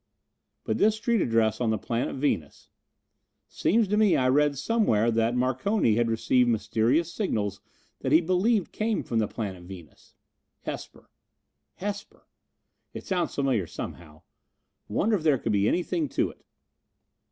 "But this street address on the planet Venus. Seems to me I read somewhere that Marconi had received mysterious signals that he believed came from the planet Venus. Hesper, Hesper ... it sounds familiar, somehow. Wonder if there could be anything to it?"